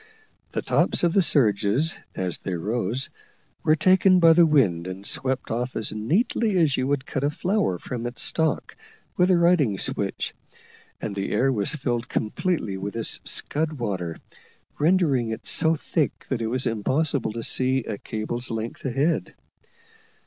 The tops of the surges, as they rose, were taken by the wind and swept off as neatly as you would cut a flower from its stalk with a riding switch and the air was filled completely with this scud water, rendering it so thick that it was impossible to see a cable's length ahead.